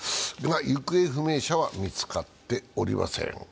行方不明者は見つかっておりません。